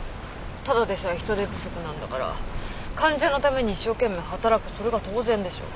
ただでさえ人手不足なんだから患者のために一生懸命働くそれが当然でしょ。